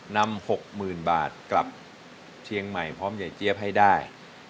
๖๐๐๐บาทกลับเชียงใหม่พร้อมยายเจี๊ยบให้ได้